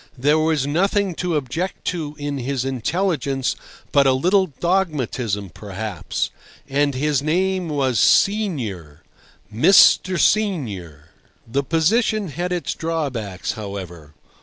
There was nothing to object to in his intelligence but a little dogmatism maybe. And his name was Senior! Mr. Senior! The position had its drawbacks, however.